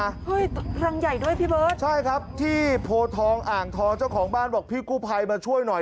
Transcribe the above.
เฮ้ยรังใหญ่ด้วยพี่เบิร์ตใช่ครับที่โพทองอ่างทองเจ้าของบ้านบอกพี่กู้ภัยมาช่วยหน่อย